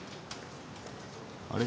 あれ？